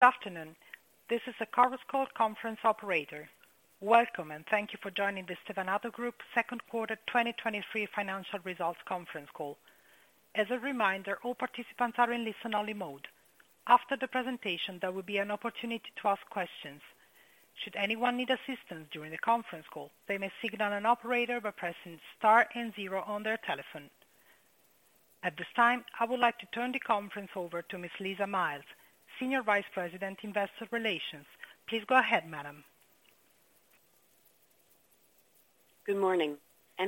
Good afternoon. This is the chorus call conference operator. Welcome, and thank you for joining the Stevanato Group Second Quarter 2023 financial results conference call. As a reminder, all participants are in listen-only mode. After the presentation, there will be an opportunity to ask questions. Should anyone need assistance during the conference call, they may signal an operator by pressing star and zero on their telephone. At this time, I would like to turn the conference over to Ms. Lisa Miles, Senior Vice President, Investor Relations. Please go ahead, madam. Good morning,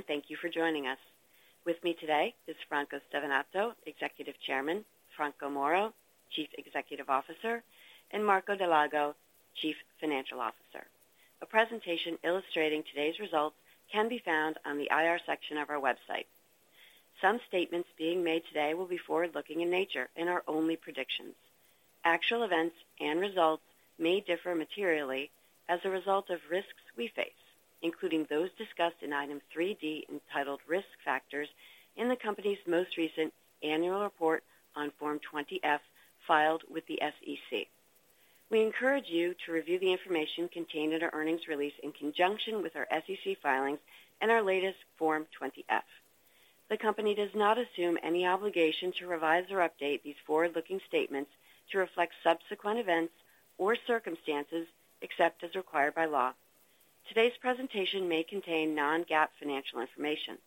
thank you for joining us. With me today is Franco Stevanato, Executive Chairman, Franco Moro, Chief Executive Officer, and Marco Dal Lago, Chief Financial Officer. A presentation illustrating today's results can be found on the IR section of our website. Some statements being made today will be forward-looking in nature and are only predictions. Actual events and results may differ materially as a result of risks we face, including those discussed in Item 3D, entitled Risk Factors in the company's most recent annual report on Form 20-F, filed with the SEC. We encourage you to review the information contained in our earnings release in conjunction with our SEC filings and our latest Form 20-F. The company does not assume any obligation to revise or update these forward-looking statements to reflect subsequent events or circumstances, except as required by law. Today's presentation may contain non-GAAP financial information.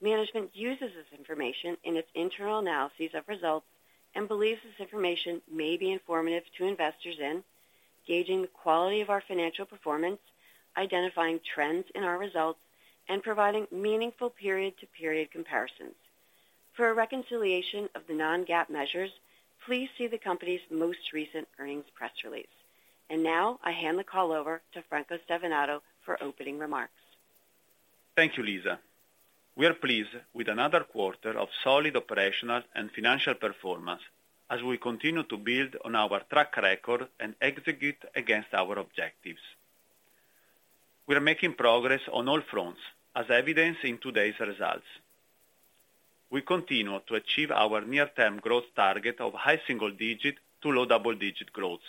Management uses this information in its internal analyses of results and believes this information may be informative to investors in gauging the quality of our financial performance, identifying trends in our results, and providing meaningful period-to-period comparisons. For a reconciliation of the non-GAAP measures, please see the company's most recent earnings press release. Now, I hand the call over to Franco Stevanato for opening remarks. Thank you, Lisa. We are pleased with another quarter of solid operational and financial performance as we continue to build on our track record and execute against our objectives. We are making progress on all fronts, as evidenced in today's results. We continue to achieve our near-term growth target of high single-digit to low double-digit growth.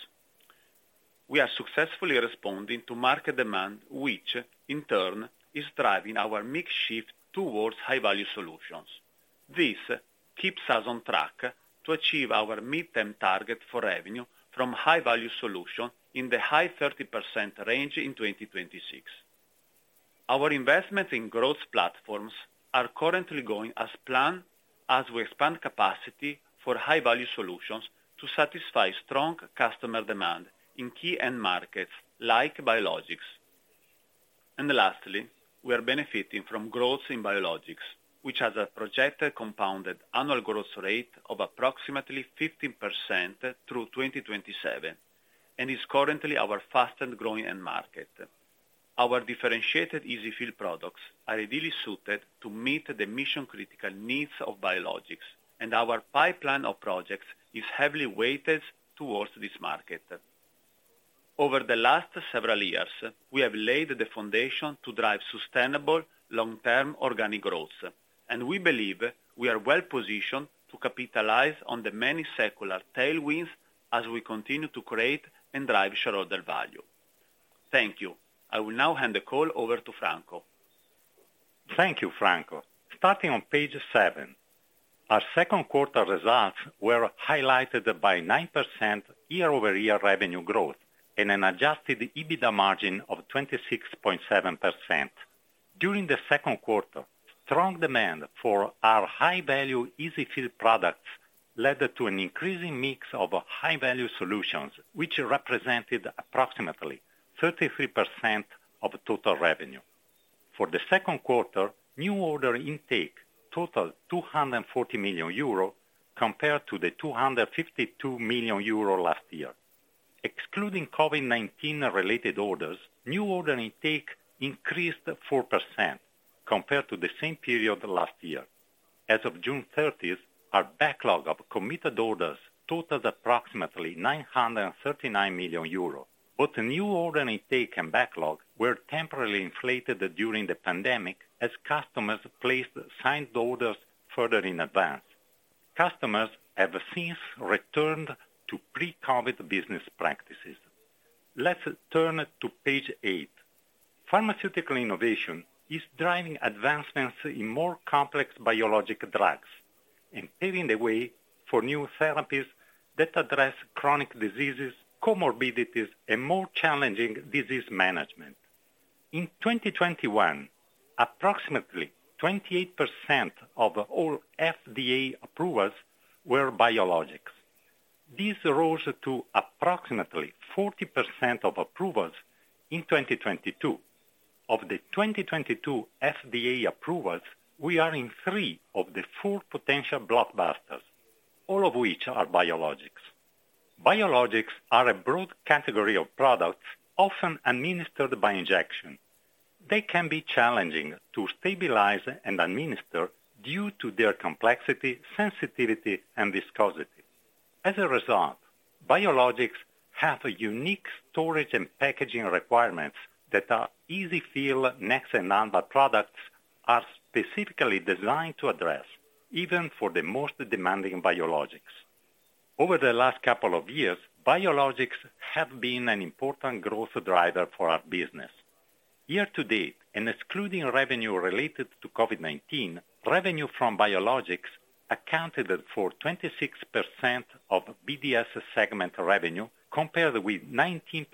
We are successfully responding to market demand, which in turn is driving our mix shift towards high-value solutions. This keeps us on track to achieve our midterm target for revenue from high-value solution in the high 30% range in 2026. Our investments in growth platforms are currently going as planned, as we expand capacity for high-value solutions to satisfy strong customer demand in key end markets like biologics. Lastly, we are benefiting from growth in biologics, which has a projected compounded annual growth rate of approximately 15% through 2027, and is currently our fastest growing end market. Our differentiated EZ-fill products are ideally suited to meet the mission-critical needs of biologics, and our pipeline of projects is heavily weighted towards this market. Over the last several years, we have laid the foundation to drive sustainable, long-term organic growth, and we believe we are well positioned to capitalize on the many secular tailwinds as we continue to create and drive shareholder value. Thank you. I will now hand the call over to Franco. Thank you, Franco. Starting on page seven, our second quarter results were highlighted by 9% YoY revenue growth and an Adjusted EBITDA margin of 26.7%. During the second quarter, strong demand for our high-value EZ-fill products led to an increasing mix of high-value solutions, which represented approximately 33% of total revenue. For the second quarter, new order intake totaled 240 million euro, compared to 252 million euro last year. Excluding COVID-19 related orders, new order intake increased 4% compared to the same period last year. As of June 30th, our backlog of committed orders totaled approximately 939 million euros. Both the new order intake and backlog were temporarily inflated during the pandemic, as customers placed signed orders further in advance. Customers have since returned to pre-COVID business practices. Let's turn to page eight. Pharmaceutical innovation is driving advancements in more complex biologics and paving the way for new therapies that address chronic diseases, comorbidities, and more challenging disease management. In 2021, approximately 28% of all FDA approvals were biologics. This rose to approximately 40% of approvals in 2022. Of the 2022 FDA approvals, we are in three of the four potential blockbusters, all of which are biologics. Biologics are a broad category of products, often administered by injection. They can be challenging to stabilize and administer due to their complexity, sensitivity, and viscosity. As a result, biologics have a unique storage and packaging requirements that our EZ-fill Nexa are specifically designed to address, even for the most demanding biologics. Over the last couple of years, biologics have been an important growth driver for our business. Year to date, and excluding revenue related to COVID-19, revenue from biologics accounted for 26% of BDS segment revenue, compared with 19%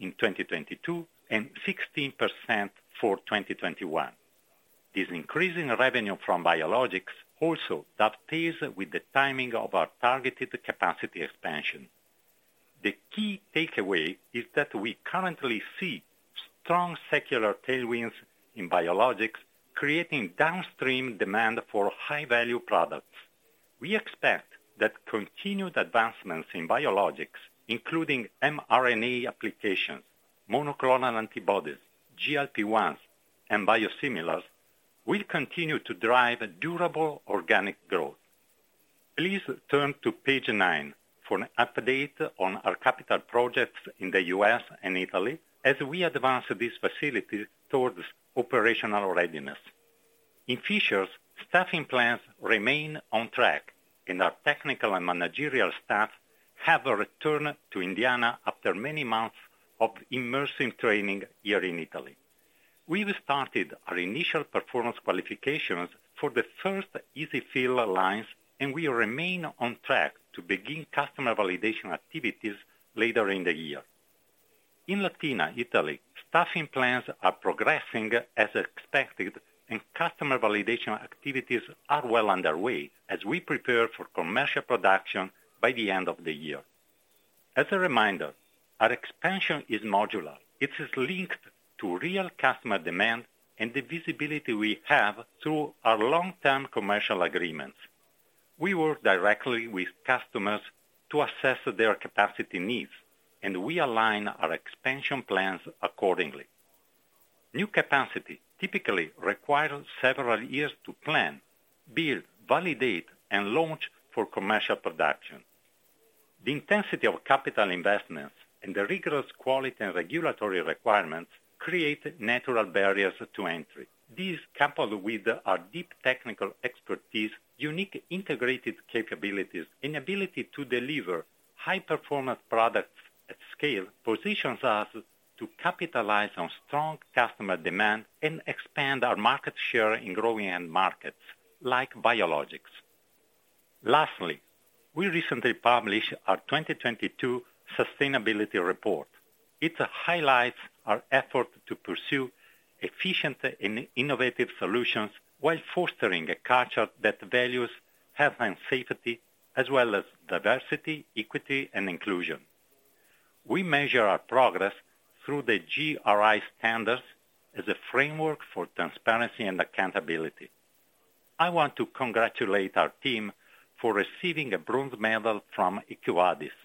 in 2022, and 16% for 2021. This increasing revenue from biologics also dovetails with the timing of our targeted capacity expansion. The key takeaway is that we currently see strong secular tailwinds in biologics, creating downstream demand for high-value products. We expect that continued advancements in biologics, including mRNA applications, monoclonal antibodies, GLP-1s, and biosimilars, will continue to drive durable organic growth. Please turn to page nine for an update on our capital projects in the US and Italy as we advance these facilities towards operational readiness. In Fishers, staffing plans remain on track, and our technical and managerial staff have returned to Indiana after many months of immersive training here in Italy. We've started our initial performance qualifications for the first EZ-fill lines, and we remain on track to begin customer validation activities later in the year. In Latina, Italy, staffing plans are progressing as expected, and customer validation activities are well underway as we prepare for commercial production by the end of the year. As a reminder, our expansion is modular. It is linked to real customer demand and the visibility we have through our long-term commercial agreements. We work directly with customers to assess their capacity needs, and we align our expansion plans accordingly. New capacity typically require several years to plan, build, validate, and launch for commercial production. The intensity of capital investments and the rigorous quality and regulatory requirements create natural barriers to entry. These, coupled with our deep technical expertise, unique integrated capabilities, and ability to deliver high-performance products at scale, positions us to capitalize on strong customer demand and expand our market share in growing end markets like biologics. Lastly, we recently published our 2022 sustainability report. It highlights our effort to pursue efficient and innovative solutions while fostering a culture that values health and safety, as well as diversity, equity, and inclusion. We measure our progress through the GRI Standards as a framework for transparency and accountability. I want to congratulate our team for receiving a bronze medal from EcoVadis,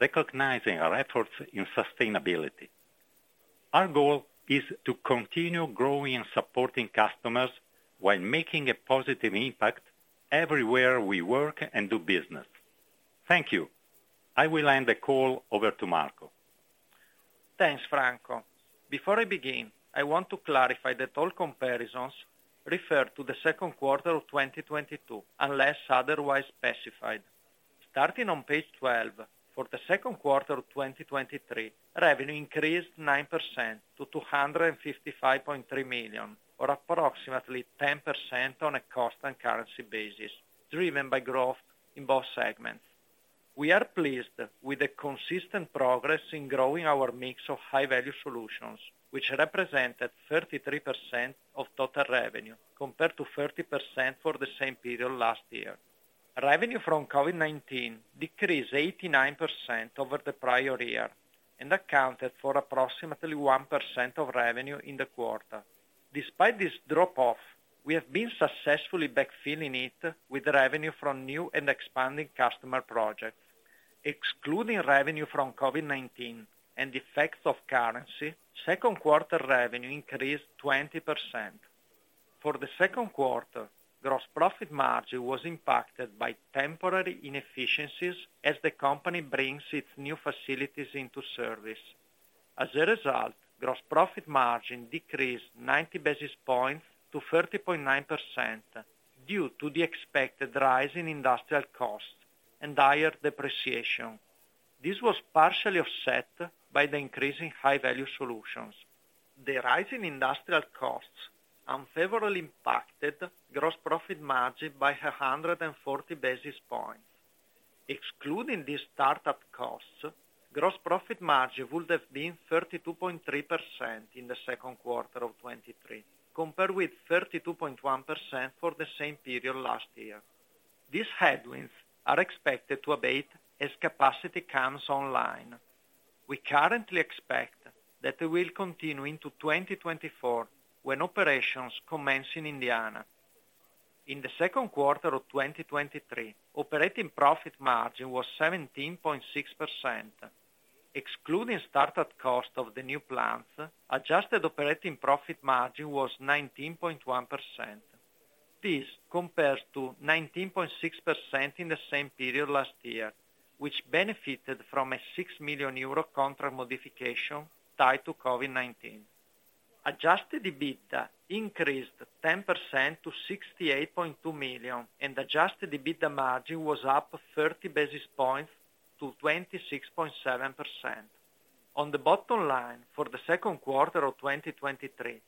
recognizing our efforts in sustainability. Our goal is to continue growing and supporting customers while making a positive impact everywhere we work and do business. Thank you. I will hand the call over to Marco. Thanks, Franco. Before I begin, I want to clarify that all comparisons refer to the second quarter of 2022, unless otherwise specified. Starting on page 12, for the second quarter of 2023, revenue increased 9% to $255.3 million, or approximately 10% on a constant currency basis, driven by growth in both segments. We are pleased with the consistent progress in growing our mix of high-value solutions, which represented 33% of total revenue, compared to 30% for the same period last year. Revenue from COVID-19 decreased 89% over the prior year and accounted for approximately 1% of revenue in the quarter. Despite this drop-off, we have been successfully backfilling it with revenue from new and expanding customer projects. Excluding revenue from COVID-19 and the effects of currency, second quarter revenue increased 20%. For the second quarter, gross profit margin was impacted by temporary inefficiencies as the company brings its new facilities into service. As a result, gross profit margin decreased 90 basis points to 30.9% due to the expected rise in industrial costs and higher depreciation. This was partially offset by the increase in high-value solutions. The rise in industrial costs unfavorably impacted gross profit margin by 140 basis points. Excluding these startup costs, gross profit margin would have been 32.3% in the second quarter of 2023, compared with 32.1% for the same period last year. These headwinds are expected to abate as capacity comes online. We currently expect that they will continue into 2024, when operations commence in Indiana. In the second quarter of 2023, operating profit margin was 17.6%. Excluding startup cost of the new plants, Adjusted operating profit margin was 19.1%. This compares to 19.6% in the same period last year, which benefited from a 6 million euro contract modification tied to COVID-19. Adjusted EBITDA increased 10% to 68.2 million, and Adjusted EBITDA margin was up 30 basis points to 26.7%. On the bottom line, for the second quarter of 2023,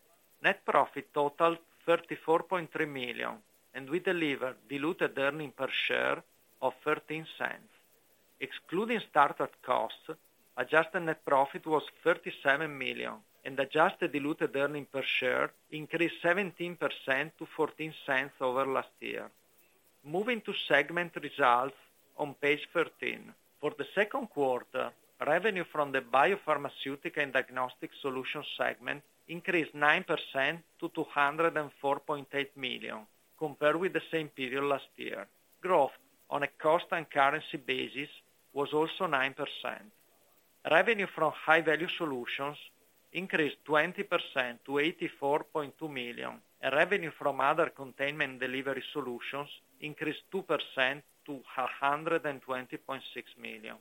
net profit totaled 34.3 million, and we delivered diluted earning per share of 0.13. Excluding startup costs, Adjusted net profit was 37 million, and Adjusted diluted earning per share increased 17% to 0.14 over last year. Moving to segment results on page 13. For the second quarter, revenue from the Biopharmaceutical and Diagnostic Solutions segment increased 9% to $204.8 million compared with the same period last year. Growth on a constant currency basis was also 9%. Revenue from high-value solutions increased 20% to $84.2 million, and revenue from other containment and delivery solutions increased 2% to $120.6 million.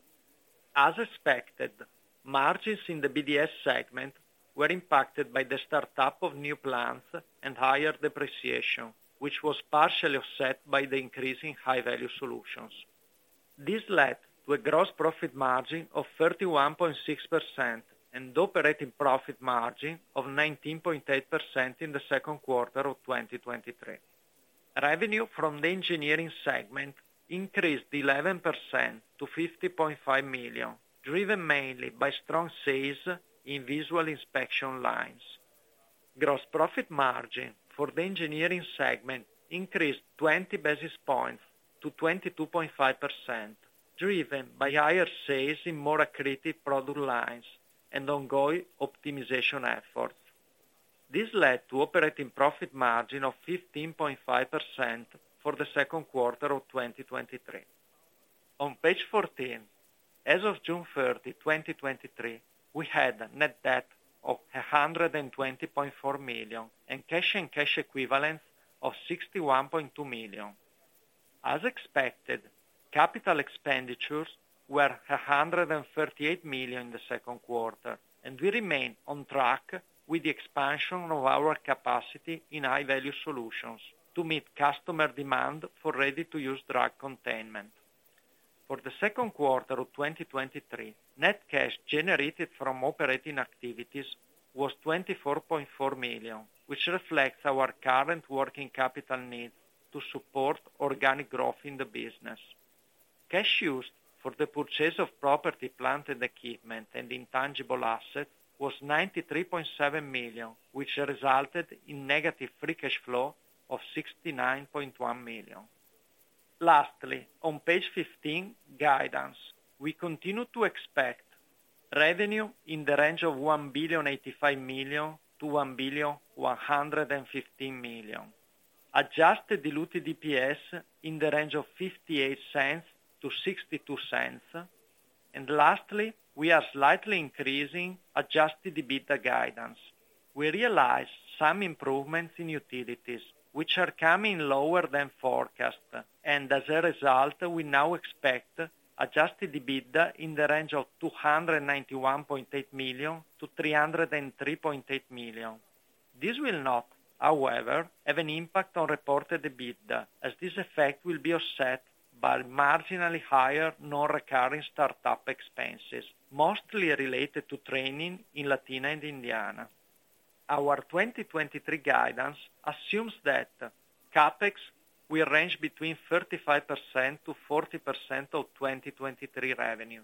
As expected, margins in the BDS segment were impacted by the startup of new plants and higher depreciation, which was partially offset by the increase in high-value solutions. This led to a gross profit margin of 31.6% and operating profit margin of 19.8% in the second quarter of 2023. Revenue from the Engineering Segment increased 11% to $50.5 million, driven mainly by strong sales in visual inspection lines. Gross profit margin for the Engineering Segment increased 20 basis points to 22.5%, driven by higher sales in more accretive product lines and ongoing optimization efforts. This led to operating profit margin of 15.5% for the second quarter of 2023. On page 14, as of June 30th, 2023, we had a net debt of $120.4 million, and cash and cash equivalents of $61.2 million. As expected, capital expenditures were $138 million in the second quarter, and we remain on track with the expansion of our capacity in high-value solutions to meet customer demand for ready-to-use drug containment. For the second quarter of 2023, net cash generated from operating activities was $24.4 million, which reflects our current working capital needs to support organic growth in the business. Cash used for the purchase of property, plant, and equipment, and intangible assets was $93.7 million, which resulted in negative free cash flow of $69.1 million. Lastly, on page 15, guidance. We continue to expect revenue in the range of $1,085 million-$1,115 million, Adjusted diluted EPS in the range of $0.58-$0.62, and lastly, we are slightly increasing Adjusted EBITDA guidance. As a result, we now expect Adjusted EBITDA in the range of $291.8 million-$303.8 million. This will not, however, have an impact on reported EBITDA, as this effect will be offset by marginally higher non-recurring startup expenses, mostly related to training in Latina and Indiana. Our 2023 guidance assumes that CapEx will range between 35%-40% of 2023 revenue.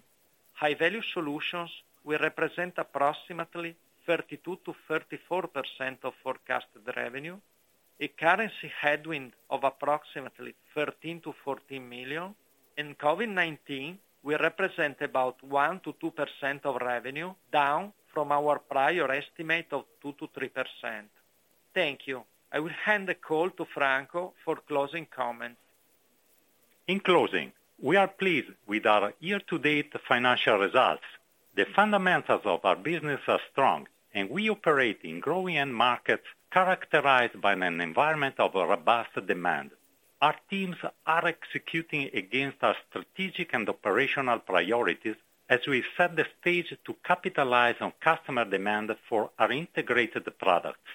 High-value solutions will represent approximately 32%-34% of forecasted revenue, a currency headwind of approximately $13 million-$14 million, COVID-19 will represent about 1%-2% of revenue, down from our prior estimate of 2%-3%. Thank you. I will hand the call to Franco for closing comments. In closing, we are pleased with our year-to-date financial results. The fundamentals of our business are strong, and we operate in growing end markets characterized by an environment of a robust demand. Our teams are executing against our strategic and operational priorities as we set the stage to capitalize on customer demand for our integrated products.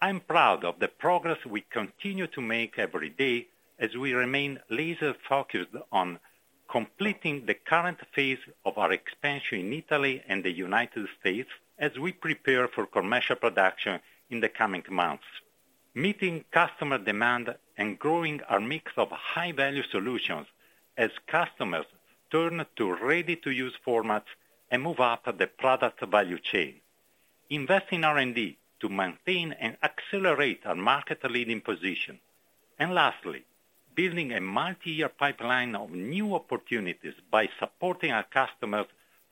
I'm proud of the progress we continue to make every day, as we remain laser focused on completing the current phase of our expansion in Italy and the United States, as we prepare for commercial production in the coming months. Meeting customer demand and growing our mix of high-value solutions as customers turn to ready-to-use formats and move up the product value chain, invest in R&D to maintain and accelerate our market-leading position. Lastly, building a multi-year pipeline of new opportunities by supporting our customers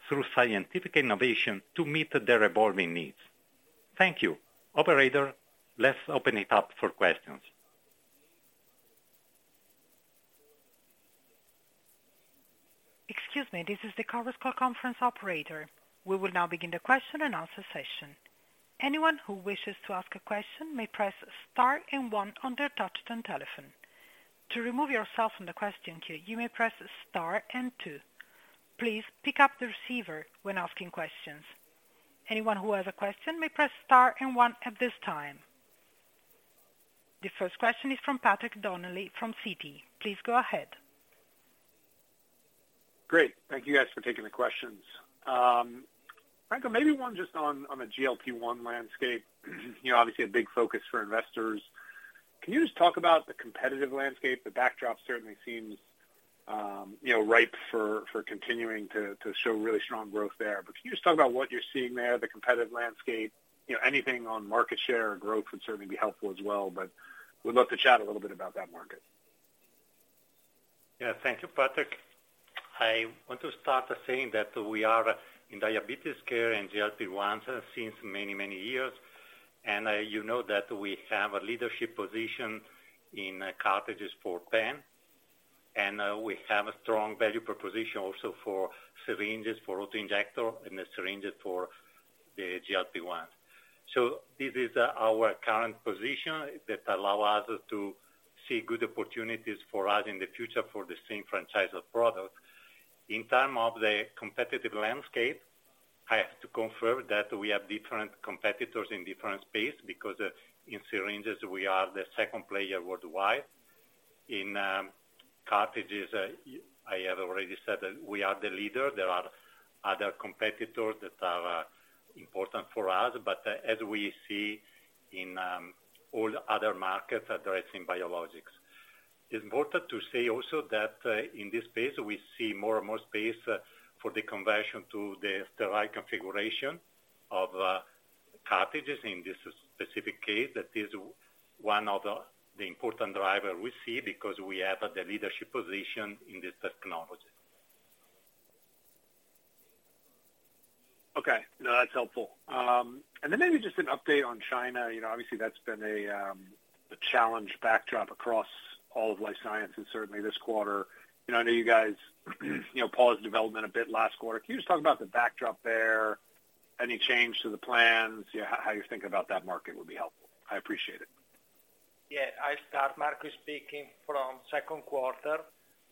through scientific innovation to meet their evolving needs. Thank you. Operator, let's open it up for questions. Excuse me, this is the conference call conference operator. We will now begin the Q&A session. Anyone who wishes to ask a question may press star and one on their touchtone telephone. To remove yourself from the question queue, you may press star and two. Please pick up the receiver when asking questions. Anyone who has a question may press star and one at this time. The first question is from Patrick Donnelly from Citi. Please go ahead. Great. Thank you guys for taking the questions. Franco, maybe one just on, on the GLP-1 landscape. You know, obviously a big focus for investors. Can you just talk about the competitive landscape? The backdrop certainly seems, you know, ripe for, for continuing to, to show really strong growth there. Can you just talk about what you're seeing there, the competitive landscape? You know, anything on market share or growth would certainly be helpful as well, but we'd love to chat a little bit about that market. Yeah. Thank you, Patrick. I want to start by saying that we are in diabetes care and GLP-1 since many, many years, and, you know that we have a leadership position in cartridges for pen, and, we have a strong value proposition also for syringes, for auto-injector, and the syringes for the GLP-1. This is our current position that allow us to see good opportunities for us in the future for the same franchise of product. In terms of the competitive landscape, I have to confirm that we have different competitors in different space, because, in syringes, we are the second player worldwide. In cartridges, I have already said that we are the leader. There are other competitors that are important for us, but, as we see in all other markets addressing biologics. It's important to say also that, in this space, we see more and more space for the conversion to the sterile configuration of cartridges in this specific case. That is one of the important driver we see, because we have the leadership position in this technology. Okay. No, that's helpful. Then maybe just an update on China. You know, obviously, that's been a, a challenge backdrop across all of life sciences, certainly this quarter. You know, I know you guys, you know, paused development a bit last quarter. Can you just talk about the backdrop there? Any change to the plans? Yeah, how you think about that market would be helpful. I appreciate it. Yeah, I'll start. Marco speaking. From second quarter,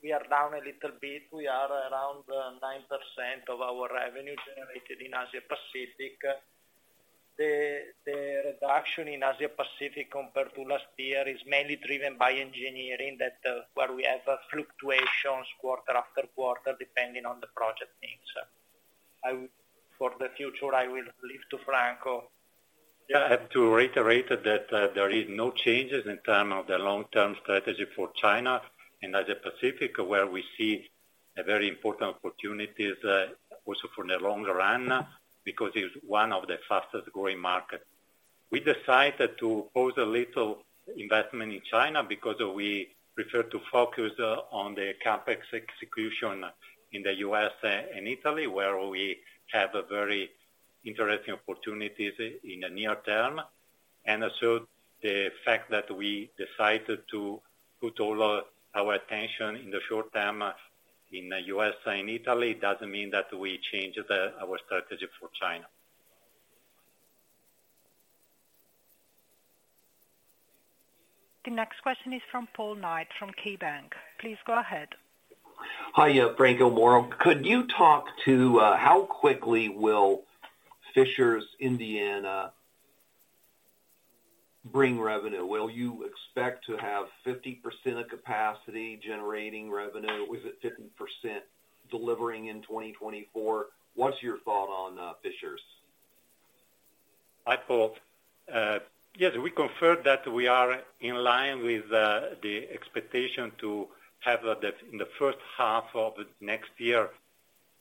we are down a little bit. We are around 9% of our revenue generated in Asia Pacific. The reduction in Asia Pacific compared to last year, is mainly driven by Engineering that, where we have fluctuations quarter after quarter, depending on the project needs. For the future, I will leave to Franco. Yeah, I have to reiterate that, there is no changes in term of the long-term strategy for China and Asia Pacific, where we see a very important opportunities, also for the long run, because it's one of the fastest growing market. We decided to pause a little investment in China because we prefer to focus on the CapEx execution in the US and, and Italy, where we have a very interesting opportunities in the near term. The fact that we decided to put all our, our attention in the short term in US and Italy, doesn't mean that we changed the, our strategy for China. The next question is from Paul Knight, from KeyBanc. Please go ahead. Hi, Franco Moro. Could you talk to, how quickly will Fishers, Indiana, bring revenue? Will you expect to have 50% of capacity generating revenue? Was it 50% delivering in 2024? What's your thought on Fishers? Hi, Paul. Yes, we confirmed that we are in line with the expectation to have that, in the first half of next year,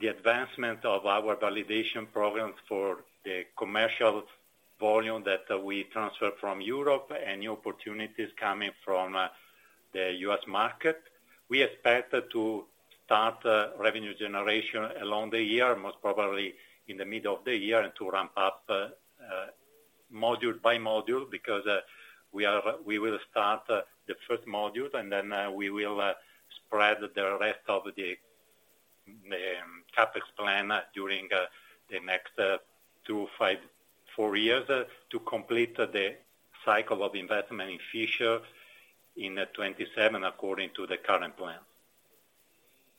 the advancement of our validation programs for the commercial volume that we transfer from Europe and new opportunities coming from the US market. We expect to start revenue generation along the year, most probably in the middle of the year, and to ramp up module by module, because we will start the first module, and then we will spread the rest of the CapEx plan during the next two, five, four years to complete the cycle of investment in Fisher in 2027, according to the current plan.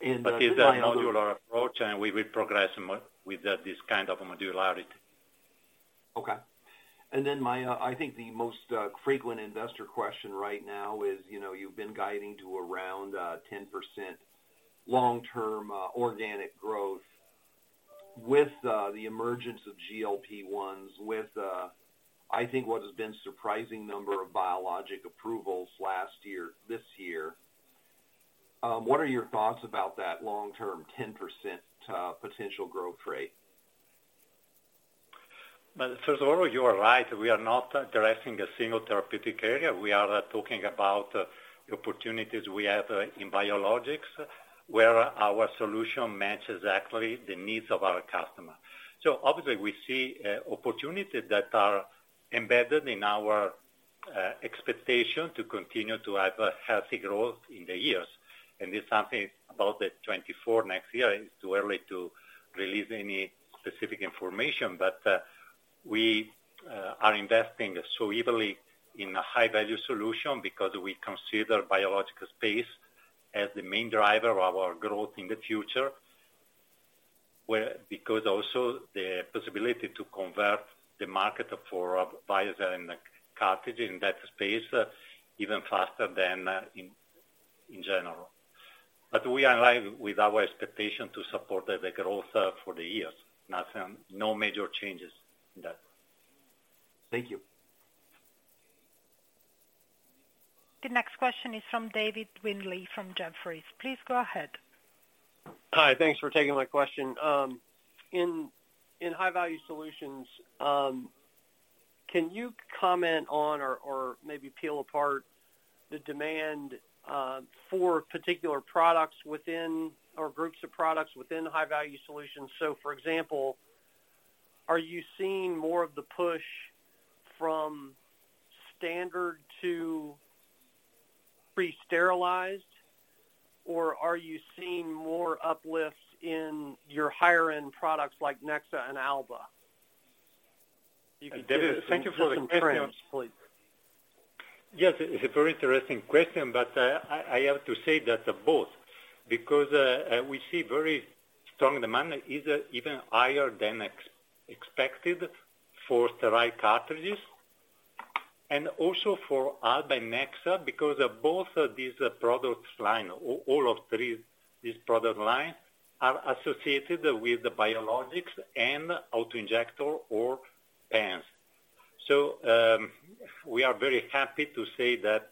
In the- It's a modular approach, and we will progress with this kind of modularity. Okay. I think the most frequent investor question right now is, you know, you've been guiding to around 10% long-term organic growth. With the emergence of GLP-1s, with I think what has been surprising number of biologic approvals last year, this year, what are your thoughts about that long-term 10% potential growth rate? Well, first of all, you are right. We are not addressing a single therapeutic area. We are talking about opportunities we have in biologics, where our solution matches exactly the needs of our customer. Obviously, we see opportunities that are embedded in our expectation to continue to have a healthy growth in the years. It's something about the 2024 next year, it's too early to release any specific information. We are investing so heavily in a high-value solution because we consider biological space as the main driver of our growth in the future. Where because also the possibility to convert the market for biologics and cartridges in that space, even faster than in general. We are in line with our expectation to support the growth for the years. Nothing, no major changes in that. Thank you. The next question is from David Windley, from Jefferies. Please go ahead. Hi, thanks for taking my question. In, in high-value solutions, can you comment on or, or maybe peel apart the demand for particular products within, or groups of products within high-value solutions? For example, are you seeing more of the push from standard to pre-sterilized, or are you seeing more uplifts in your higher-end products like Nexa and Alba? Thank you for the question, please. Yes, it's a very interesting question, but, I have to say that both. We see very strong demand, is even higher than expected for sterile cartridges, and also for Alba and Nexa, because both of these products line, all of three, these product line, are associated with the biologics and auto-injector or pens. We are very happy to say that,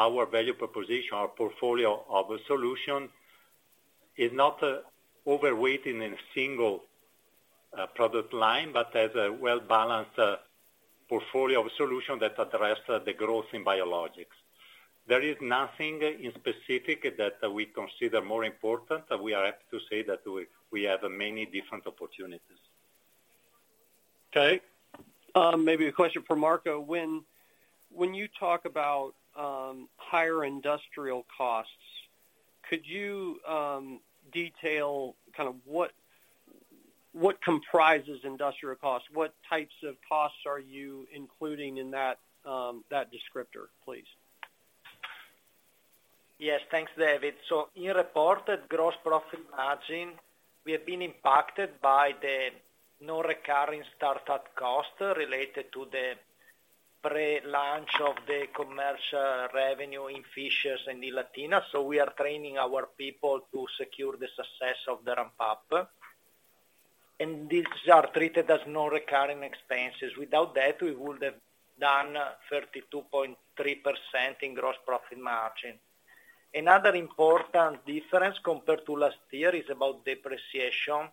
our value proposition, our portfolio of solution, is not overweighted in a single product line, but has a well-balanced portfolio of solution that addresses the growth in biologics. There is nothing in specific that we consider more important, but we have many different opportunities. Okay. Maybe a question for Marco. When, when you talk about, higher industrial costs, could you detail kind of what, what comprises industrial costs? What types of costs are you including in that, that descriptor, please? Yes. Thanks, David. In reported gross profit margin, we have been impacted by the non-recurring startup costs related to the pre-launch of the commercial revenue in Fishers and in Latina. We are training our people to secure the success of the ramp-up, and these are treated as non-recurring expenses. Without that, we would have done 32.3% in gross profit margin. Another important difference compared to last year is about depreciation,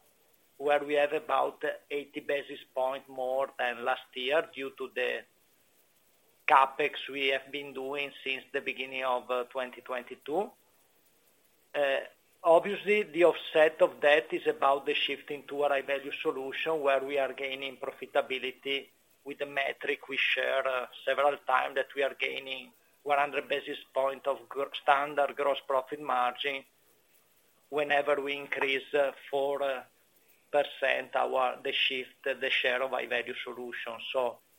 where we have about 80 basis point more than last year due to the CapEx we have been doing since the beginning of 2022. Obviously, the offset of that is about the shifting to a high-value solution, where we are gaining profitability with the metric we share several times, that we are gaining 100 basis points of standard gross profit margin whenever we increase 4% our the shift, the share of high-value solution.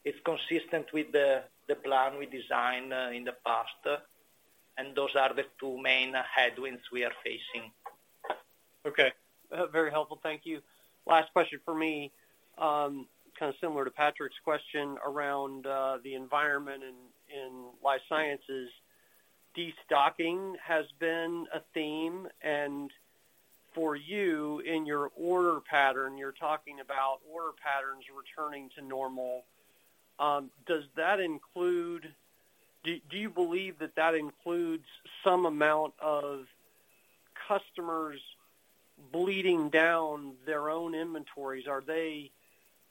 It's consistent with the, the plan we designed in the past, and those are the two main headwinds we are facing. Okay, very helpful. Thank you. Last question for me. Kind of similar to Patrick's question around the environment in life sciences. Destocking has been a theme, and for you, in your order pattern, you're talking about order patterns returning to normal. Does that include... Do, do you believe that that includes some amount of customers bleeding down their own inventories? Are they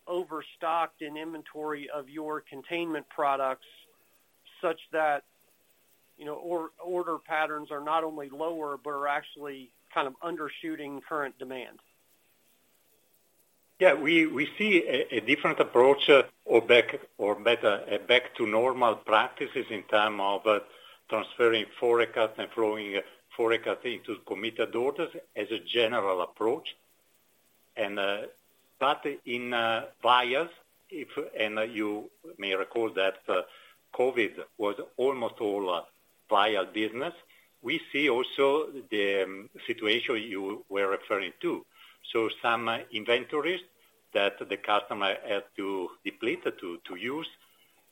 overstocked in inventory of your containment products, such that, you know, order patterns are not only lower, but are actually kind of undershooting current demand? Yeah, we see a different approach, or back, or better, back to normal practices in term of transferring forecast and flowing forecast into committed orders as a general approach. But in vials, if, and you may recall that COVID was almost all vial business. We see also the situation you were referring to. Some inventories that the customer had to deplete, to use,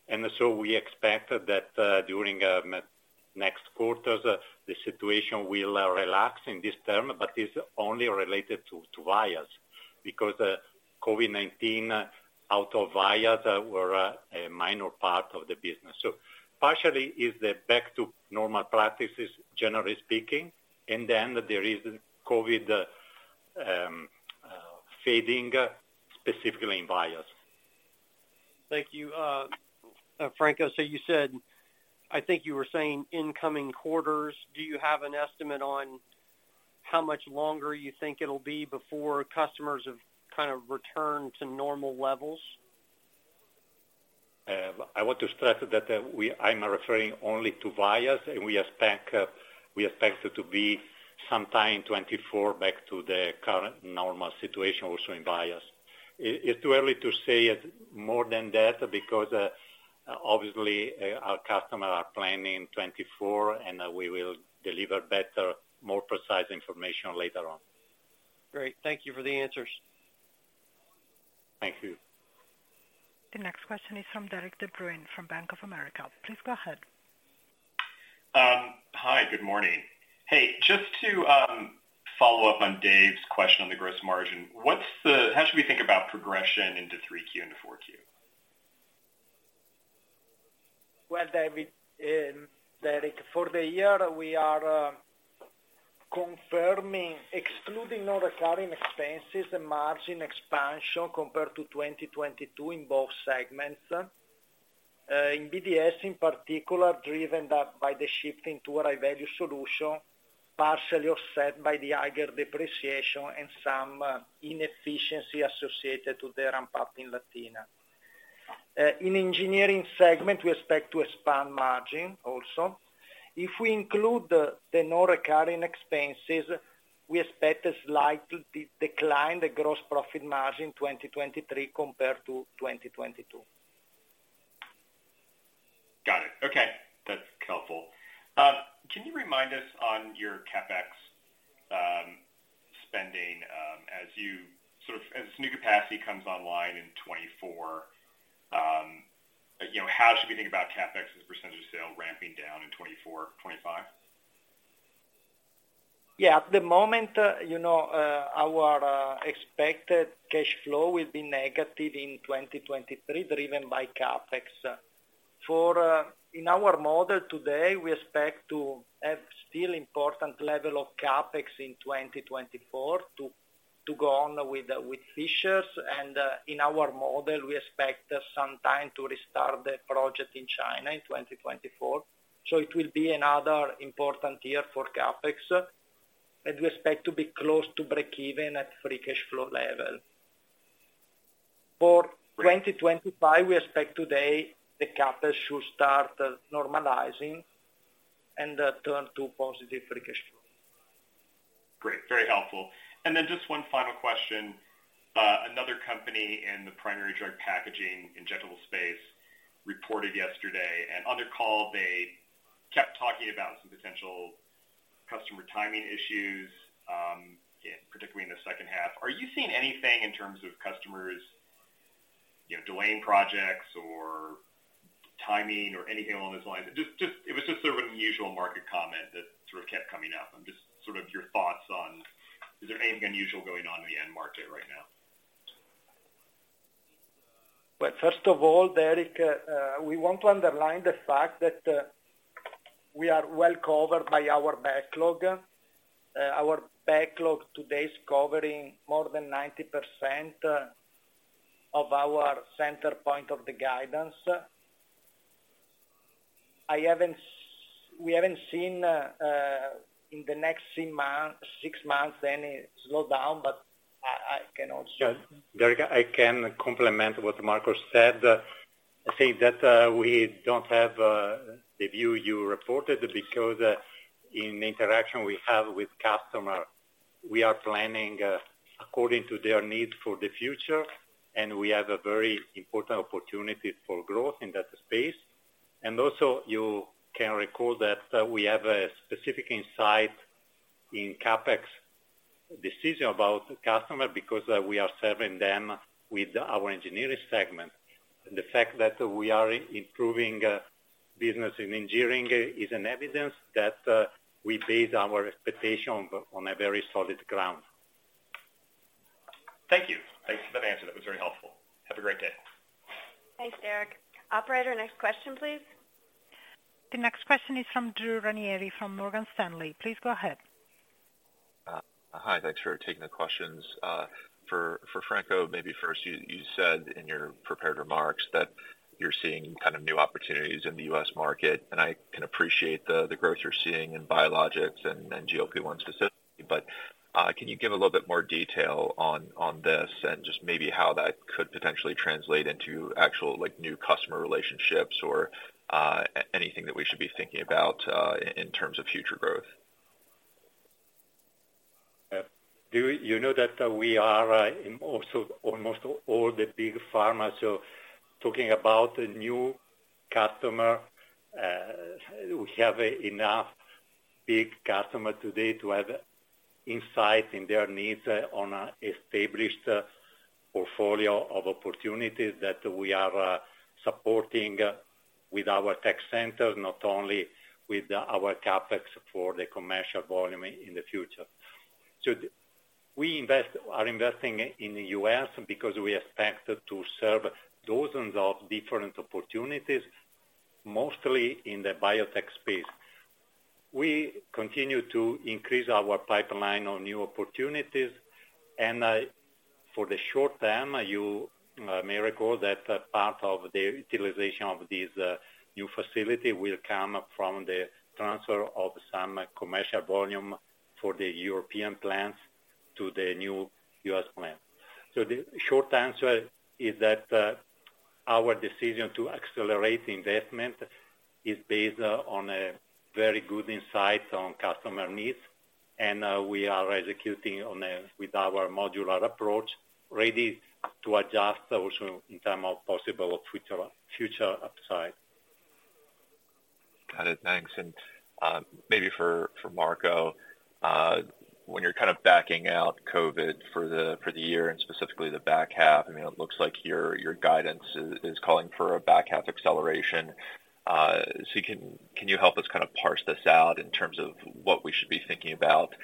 and so we expect that during next quarters, the situation will relax in this term, but it's only related to vials. Because COVID-19 out of vials were a minor part of the business. Partially, is the back to normal practices, generally speaking, and then there is COVID fading, specifically in vials. Thank you. Franco, so you said-... I think you were saying incoming quarters, do you have an estimate on how much longer you think it'll be before customers have kind of returned to normal levels? I want to stress that I'm referring only to vials, we expect it to be sometime 2024 back to the current normal situation also in vials. It's too early to say it more than that, because, obviously, our customer are planning 2024, we will deliver better, more precise information later on. Great, thank you for the answers. Thank you. The next question is from Derik De Bruin, from Bank of America. Please go ahead. Hi, good morning. Hey, just to follow up on Dave's question on the gross margin. How should we think about progression into 3Q and 4Q? Well, David, Derik, for the year, we are confirming, excluding non-recurring expenses and margin expansion compared to 2022 in both segments. In BDS, in particular, driven by, by the shift into high-value solution, partially offset by the higher depreciation and some inefficiency associated to the ramp-up in Latina. In Engineering Segment, we expect to expand margin also. If we include the, the non-recurring expenses, we expect a slight de-decline, the gross profit margin 2023 compared to 2022. Got it. Okay, that's helpful. Can you remind us on your CapEx spending, as new capacity comes online in 2024, you know, how should we think about CapEx as a percentage of sale ramping down in 2024, 2025? Yeah, at the moment, you know, our expected cash flow will be negative in 2023, driven by CapEx. For in our model today, we expect to have still important level of CapEx in 2024, to go on with Fishers, and in our model, we expect some time to restart the project in China in 2024. It will be another important year for CapEx, and we expect to be close to breakeven at free cash flow level. For 2025, we expect today, the CapEx should start normalizing and turn to positive free cash flow. Great, very helpful. Then just one final question. Another company in the primary drug packaging, injectable space, reported yesterday, and on their call, they kept talking about some potential customer timing issues, particularly in the second half. Are you seeing anything in terms of customers, you know, delaying projects or timing or anything along those lines? It was just sort of an unusual market comment that sort of kept coming up, and just sort of your thoughts on, is there anything unusual going on in the end market right now? Well, first of all, Derik, we want to underline the fact that we are well covered by our backlog. Our backlog today is covering more than 90% of our center point of the guidance. I haven't we haven't seen in the next three month, six months, any slowdown, but I can also- Derik, I can complement what Marco said. I think that we don't have the view you reported, because in interaction we have with customer, we are planning according to their needs for the future, and we have a very important opportunity for growth in that space. Also, you can recall that we have a specific insight in CapEx decision about customer, because we are serving them with our Engineering Segment. The fact that we are improving business in Engineering is an evidence that we base our expectation on a very solid ground. Thank you. Thanks for that answer. That was very helpful. Have a great day. Thanks, Derik. Operator, next question, please. The next question is from Drew Ranieri, from Morgan Stanley. Please go ahead. Hi, thanks for taking the questions. For, for Franco, maybe first, you, you said in your prepared remarks that you're seeing kind of new opportunities in the US market, and I can appreciate the, the growth you're seeing in biologics and, and GLP-1 specifically. Can you give a little bit more detail on, on this, and just maybe how that could potentially translate into actual, like, new customer relationships or, anything that we should be thinking about, in terms of future growth? Drew, you know, that we are in also almost all the big pharma. Talking about new customer, we have enough big customer today to have insight in their needs on an established portfolio of opportunities that we are supporting with our tech center, not only with our CapEx for the commercial volume in the future. We are investing in the US because we expect to serve dozens of different opportunities, mostly in the biotech space. We continue to increase our pipeline on new opportunities, for the short term, you may recall that part of the utilization of this new facility will come from the transfer of some commercial volume for the European plants to the new US plant. The short answer is that, our decision to accelerate the investment is based on a very good insight on customer needs, and, we are executing on a, with our modular approach, ready to adjust also in terms of possible future, future upside. Got it. Thanks. Maybe for, for Marco, when you're kind of backing out COVID for the, for the year and specifically the back half, I mean, it looks like your, your guidance is, is calling for a back-half acceleration. Can, can you help us kind of parse this out in terms of what we should be thinking about,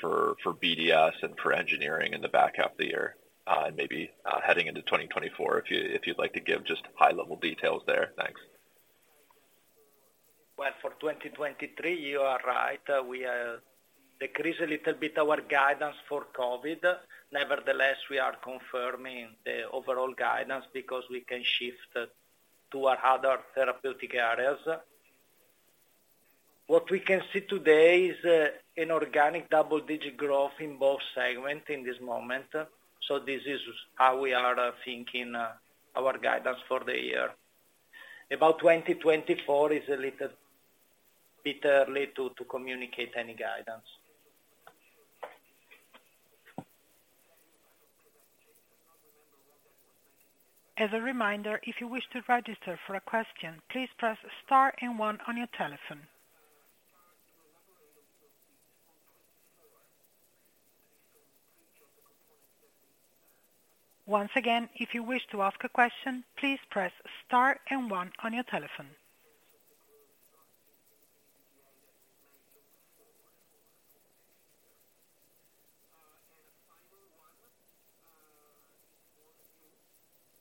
for, for BDS and for Engineering in the back half of the year, and maybe, heading into 2024, if you, if you'd like to give just high-level details there? Thanks. Well, for 2023, you are right. We decrease a little bit our guidance for COVID. Nevertheless, we are confirming the overall guidance because we can shift to our other therapeutic areas. What we can see today is an organic double-digit growth in both segment in this moment. This is how we are thinking our guidance for the year. About 2024 is a little bit early to communicate any guidance. As a reminder, if you wish to register for a question, please press star and one on your telephone. Once again, if you wish to ask a question, please press star and one on your telephone.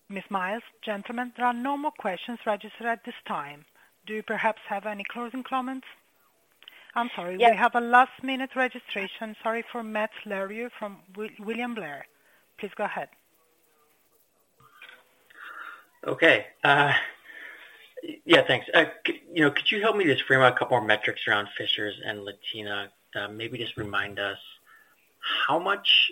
Ms. Miles, gentlemen, there are no more questions registered at this time. Do you perhaps have any closing comments? I'm sorry. Yes. We have a last-minute registration, sorry, for Matt Larew from William Blair. Please go ahead. Okay. yeah, thanks. you know, could you help me just frame out a couple more metrics around Fishers and Latina? Maybe just remind us how much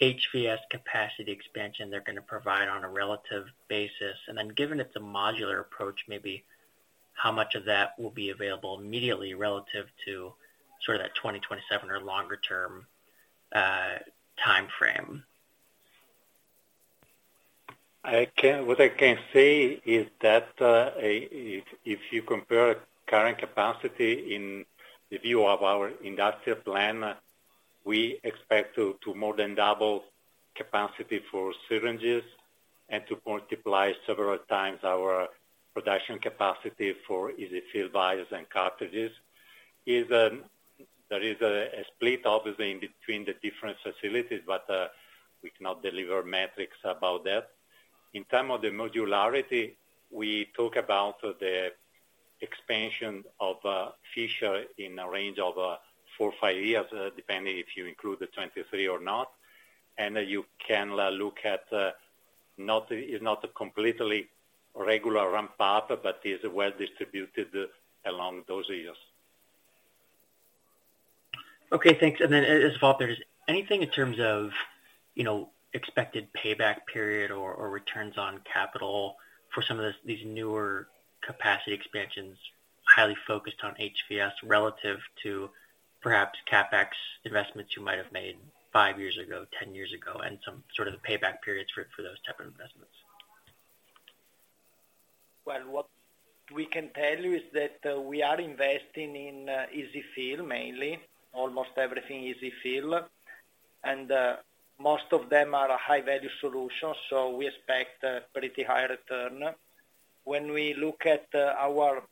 HVS capacity expansion they're gonna provide on a relative basis? Then given it's a modular approach, maybe how much of that will be available immediately relative to sort of that 2027 or longer term, time frame? What I can say is that, if, if you compare current capacity in the view of our industrial plan, we expect to more than double capacity for syringes and to multiply several times our production capacity for EZ-fill vials and cartridges. Is, there is a split, obviously, between the different facilities, but we cannot deliver metrics about that. In term of the modularity, we talk about the expansion of Fishers in a range of four to five years, depending if you include the 23 or not. You can look at, not, it's not a completely regular ramp up, but is well distributed along those years. Okay, thanks. Then as a follow-up, is anything in terms of, you know, expected payback period or, or returns on capital for some of these, these newer capacity expansions, highly focused on HVS, relative to perhaps CapEx investments you might have made 5 years ago, 10 years ago, and some sort of payback periods for, for those type of investments? Well, what we can tell you is that we are investing in EZ-fill, mainly, almost everything EZ-fill. Most of them are high-value solutions, so we expect a pretty high return. When we look at our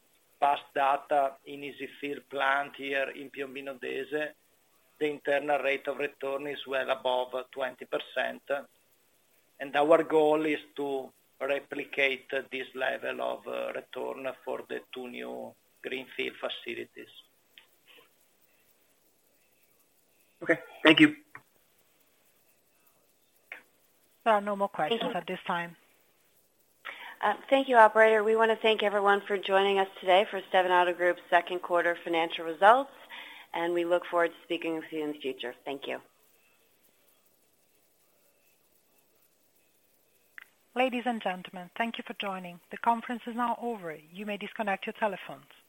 past data in EZ-fill plant here in Piombino Dese, the internal rate of return is well above 20%. Our goal is to replicate this level of return for the two new greenfield facilities. Okay, thank you. There are no more questions at this time. Thank you, operator. We want to thank everyone for joining us today for Stevanato Group's second quarter financial results. We look forward to speaking with you in the future. Thank you. Ladies and gentlemen, thank you for joining. The conference is now over. You may disconnect your telephones.